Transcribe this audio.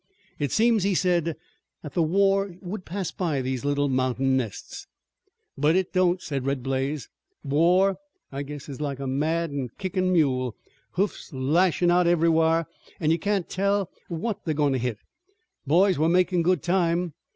"It seems," he said, "that the war would pass by these little mountain nests." "But it don't," said Red Blaze. "War, I guess, is like a mad an' kickin' mule, hoofs lashin' out everywhar, an' you can't tell what they're goin' to hit. Boys, we're makin' good time.